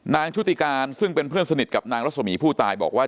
ชุติการซึ่งเป็นเพื่อนสนิทกับนางรัศมีผู้ตายบอกว่า